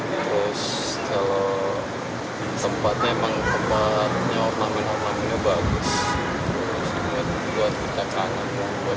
terus kalau tempatnya emang tempatnya ornamen ornamennya bagus